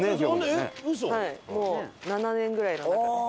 もう７年ぐらいの仲です。